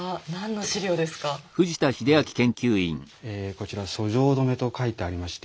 こちらは「訴状留」と書いてありまして。